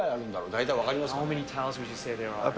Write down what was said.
大体分かりますか？